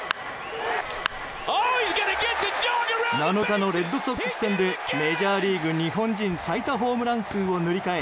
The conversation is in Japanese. ７日のレッドソックス戦でメジャーリーグ日本人最多ホームラン数を塗り替え